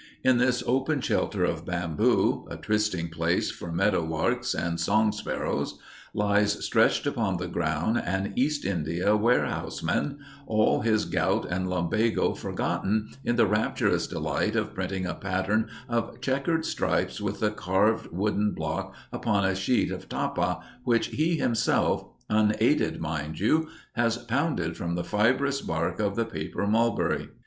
In this open shelter of bamboo, a trysting place for meadow larks and song sparrows, lies stretched upon the ground an East India warehouseman, all his gout and lumbago forgotten in the rapturous delight of printing a pattern of checquered stripes with a carved wooden block upon a sheet of tapa which he himself unaided, mind you has pounded from the fibrous bark of the paper mulberry.